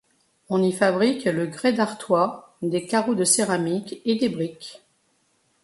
On y fabrique le grès d'Artois, des carreaux de céramique et des briques.